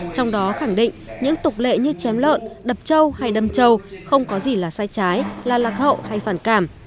trong đó khẳng định những tục lệ như chém lợn đập châu hay đâm châu không có gì là sai trái là lạc hậu hay phản cảm